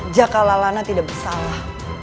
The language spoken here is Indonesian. jaka lelana tidak bersalah